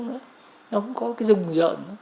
nó không có cái rùng rợn nữa